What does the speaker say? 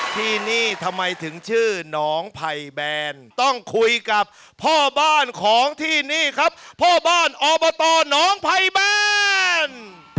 ที่นี่ทำไมถึงชื่อน้องไพแบนต้องคุยกับพ่อบ้านของที่นี่ครับพ่อบ้านอบตน้องไพแบน